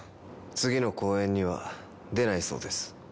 次の公演には出ないそうです。